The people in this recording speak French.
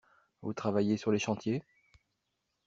Vous travaillez sur les chantiers?